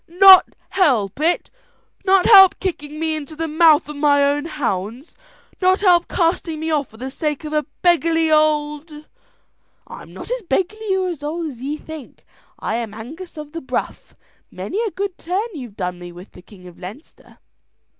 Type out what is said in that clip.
"Not help it! Not help kicking me into the mouth of my own hounds! Not help casting me off for the sake of a beggarly old " "I'm not as beggarly or as old as ye think. I am Angus of the Bruff; many a good turn you've done me with the King of Leinster.